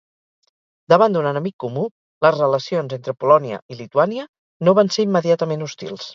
Davant d'un enemic comú, les relacions entre Polònia i Lituània no van ser immediatament hostils.